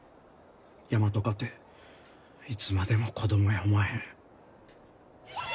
大和かていつまでも子供やおまへん。